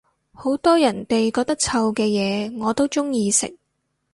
好多人哋覺得臭嘅嘢我都鍾意食